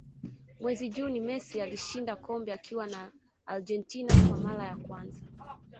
mwezi juni messi alishinda kombe akiwa na argentina kwa mara ya kwanza